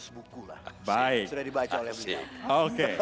sudah dibaca oleh beliau